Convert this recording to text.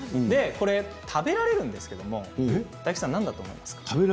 これ食べられるんですけれども大吉さん、何だと思いますか？